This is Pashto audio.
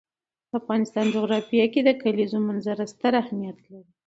د افغانستان جغرافیه کې د کلیزو منظره ستر اهمیت لري.